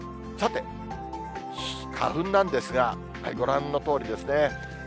さて、花粉なんですが、ご覧のとおりですね。